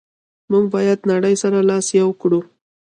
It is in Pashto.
موږ باید نړی سره لاس یو کړو.